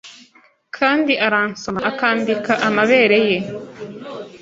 Kandi aransoma akambika amabere ye